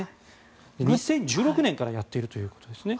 ２０１６年からやっているということです。